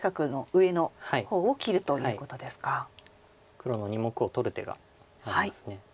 黒の２目を取る手があります。